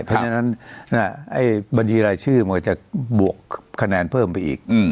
เพราะฉะนั้นบัญชีรายชื่อมันจะบวกคะแนนเพิ่มไปอีก